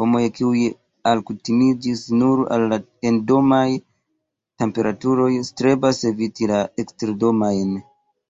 Homoj, kiuj alkutimiĝis nur al la endomaj temperaturoj, strebas eviti la eksterdomajn.